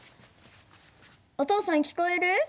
お父さん聞こえる？